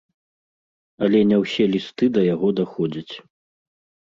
Але не ўсе лісты да яго даходзяць.